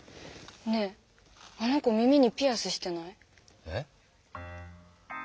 ねえあの子耳にピアスしてない？え？